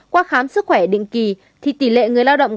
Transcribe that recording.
qua khám sức khỏe định kỳ thì tỷ lệ người lao động